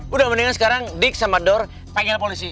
udah mendingan sekarang dig sama dor panggil polisi